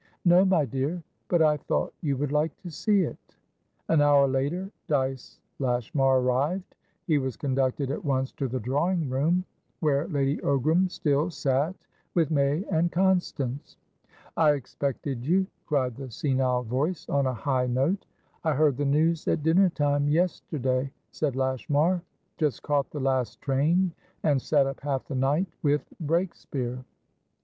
"No, my dear. But I thought you would like to see it." An hour later, Dyce Lashmar arrived. He was conducted at once to the drawing room, where Lady Ogram still sat with May and Constance. "I expected you," cried the senile voice, on a high note. "I heard the news at dinner time yesterday;" said Lashmar. "Just caught the last train, and sat up half the night with Breakspeare."